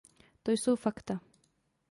To jsou fakta.